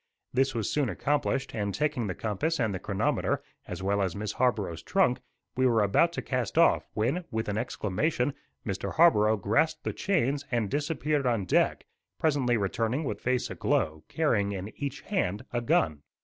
This was soon accomplished, and taking the compass and the chronometer, as well as Miss Harborough's trunk, we were about to cast off, when, with an exclamation, Mr. Harborough grasped the chains and disappeared on deck, presently returning with face aglow, carrying in each hand a gun.